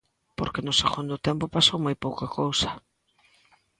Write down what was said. Porque no segundo tempo pasou moi pouca cousa.